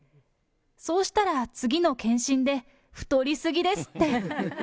そうしたら、次の検診で太りすぎですって。